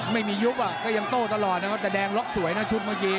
ไม่มียุบอ่ะก็ยังโต้ตลอดแต่แดงล็อกสวยนะชุดเมื่อกี้